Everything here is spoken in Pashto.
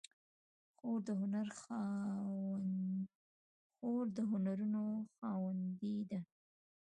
خور د هنرونو خاوندې ده.